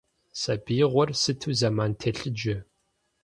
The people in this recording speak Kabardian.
Сабиигъуэр сыту зэман телъыджэ.